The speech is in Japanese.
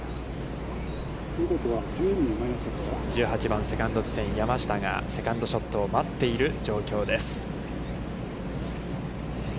１８番、セカンド地点、山下がセカンドショットを待っている状況です。